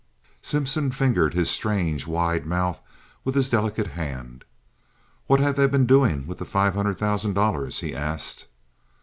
Simpson fingered his strange, wide mouth with his delicate hand. "What have they been doing with the five hundred thousand dollars?" he asked.